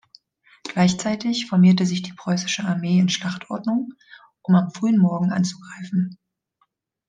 Gleichzeitig formierte sich die preußische Armee in Schlachtordnung, um am frühen Morgen anzugreifen.